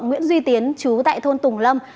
nguyễn duy tiến chú tại thôn tùng lâm